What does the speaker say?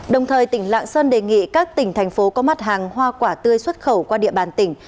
đồng thời tỉnh lạng sơn đề nghị các tỉnh thành phố có mặt hàng hoa quả tươi xuất khẩu qua địa bàn tỉnh